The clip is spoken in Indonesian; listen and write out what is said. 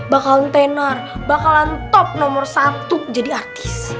bakal tenar bakalan top nomor satu jadi artis